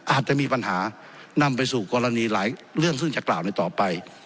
อาจจะมีปัญหานำไปสู่กรณีหลายเรื่องซึ่งจะกล่าวในต่อไป